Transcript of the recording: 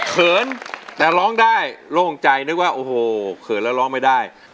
เขินแต่ร้องได้โล่งใจนึกว่าโอ้โหเขินแล้วร้องไม่ได้